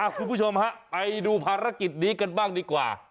คุณผู้ชมฮะไปดูภารกิจนี้กันบ้างดีกว่า